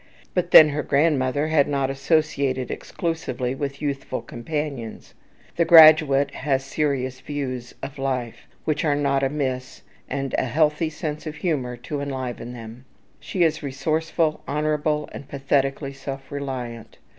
But then her grandmother had not associated exclusively with youthful companions. The graduate has serious views of life, which are not amiss, and a healthy sense of humour to enliven them. She is resourceful, honourable, and pathetically self reliant.